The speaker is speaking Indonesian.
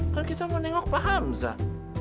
kan kita mau nengok pak hamzah